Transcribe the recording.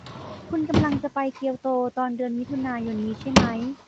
คุณกำลังจะไปเกียวโตตอนเดือนมิถุนายนนี้ใช่ไหม